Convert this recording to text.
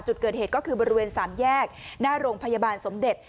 จุดเกิดเหตุก็คือบริเวณสามแยกหน้าโรงพยาบาลสมเด็จ